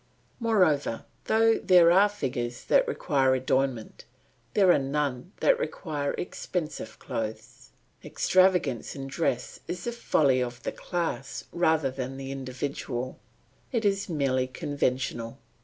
Moreover, though there are figures that require adornment there are none that require expensive clothes. Extravagance in dress is the folly of the class rather than the individual, it is merely conventional.